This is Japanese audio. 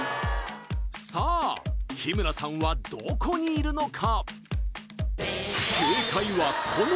さあ日村さんはどこにいるのか？